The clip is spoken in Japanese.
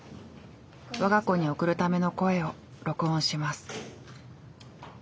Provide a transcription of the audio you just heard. わが子に送るための声を録音します。